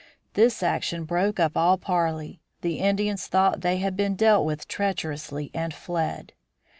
This action broke up all parley; the Indians thought they had been dealt with treacherously and fled.